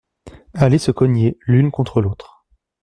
Aller se cogner l’une contre l’autre.